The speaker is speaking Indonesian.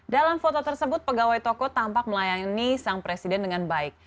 dalam foto tersebut pegawai toko tampak melayani sang presiden dengan baik